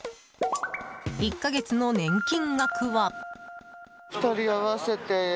１か月の年金額は。